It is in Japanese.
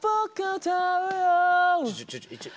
ちょちょちょちょ。